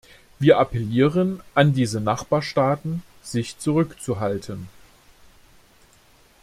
Wir appellieren an diese Nachbarstaaten, sich zurückzuhalten.